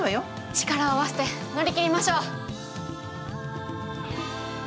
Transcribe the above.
力を合わせて乗り切りましょう！